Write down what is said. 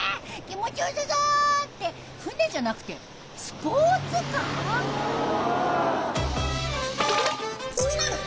気持ち良さそう！って船じゃなくてスポーツカー？